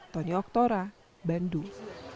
tony oktora bandung